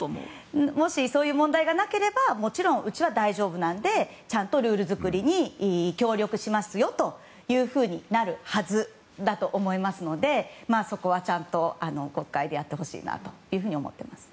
もし、そういう問題がなければもちろん、うちは大丈夫なのでちゃんと、ルール作りに協力しますよとなるはずだと思いますのでそこはちゃんと国会でやってほしいなと思ってます。